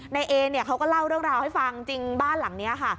นายเอเนี่ยเขาก็เล่าเรื่องราวให้ฟังจริงบ้านหลังนี้ค่ะ